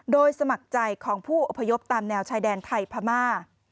โดยสมัครใจของผู้อพยพตามแนวชายแดนไทยพม่า